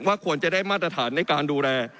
ควรจะได้มาตรฐานในการดูแล